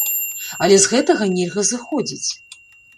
Але з гэтага нельга зыходзіць.